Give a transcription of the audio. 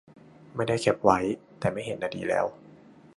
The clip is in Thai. ไม่ได้แคปไว้ แต่ไม่เห็นอะดีแล้ว